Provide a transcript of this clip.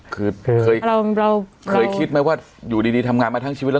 คือเคยเราเคยคิดไหมว่าอยู่ดีทำงานมาทั้งชีวิตแล้ว